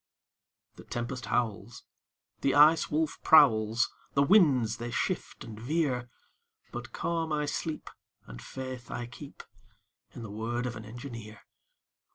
The tempest howls, The Ice Wolf prowls, The winds they shift and veer, But calm I sleep, And faith I keep In the word of an engineer.